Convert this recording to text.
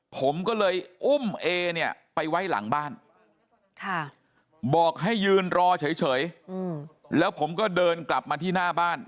ผมก็เลยอุ้มเอเนี่ยไปไว้หลังบ้านบอกให้ยืนรอเฉยแล้วผมก็เดินกลับมาที่หน้าบ้าน